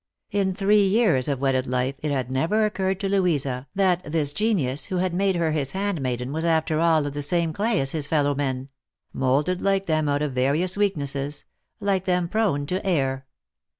In three years of wedded life it had never occurred to Louisa that this genius who had made her his handmaiden was after all of the same clay as his fellow men ; moulded like them out of various weak nesses ; like them prone to err.